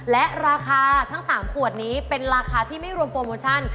และราคาทั้ง๓ขวดนี้เป็นราคาที่ไม่รวมโปรโมชั่น